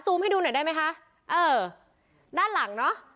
ให้ดูหน่อยได้ไหมคะเออด้านหลังเนอะ